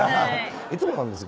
いつもなんですよ